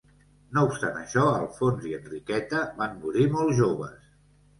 No obstant això, Alfons i Enriqueta van morir molt joves.